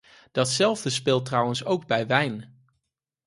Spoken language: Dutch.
Datzelfde speelt trouwens ook bij wijn.